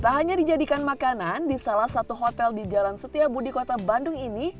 tak hanya dijadikan makanan di salah satu hotel di jalan setiabudi kota bandung ini